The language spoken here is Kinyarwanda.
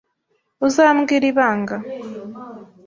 Uzambwira ibanga?